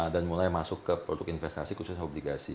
dan mulai masuk ke produk investasi khusus obligasi